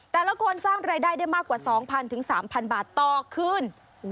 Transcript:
แต่ละคนสร้างรายได้ได้มากกว่า๒๐๐๓๐๐บาทต่อคืน